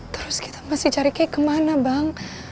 terus kita masih cari kayak kemana bang